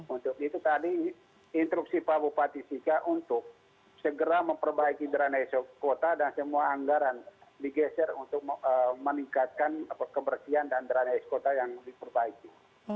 untuk itu tadi instruksi pak bupati siga untuk segera memperbaiki drana kota dan semua anggaran digeser untuk meningkatkan kebersihan dan drana es kota yang diperbaiki